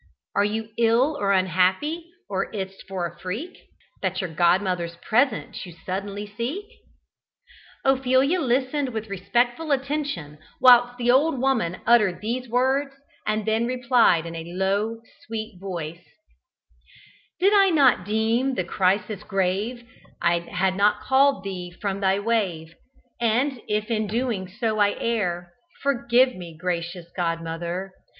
Are you ill, or unhappy, or is't for a freak That your godmother's presence you suddenly seek?" Ophelia listened with respectful attention whilst the old woman uttered these words, and then replied in a low, sweet voice: "Did I not deem the crisis grave I had not called thee from thy wave: And if in doing so I err, Forgive me, gracious godmother!